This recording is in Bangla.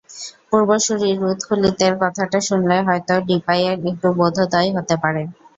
পূর্বসূরি রুদ খুলিতের কথাটা শুনলে হয়তো ডিপাইয়ের একটু বোধোদয় হতে পারে।